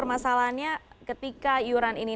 masalahnya ketika iuran ini